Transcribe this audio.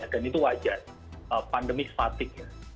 dan itu wajar pandemi fatigue